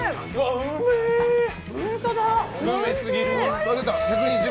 うますぎるー。